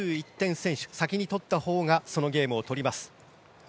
先取先にとったほうがそのゲームを取ります。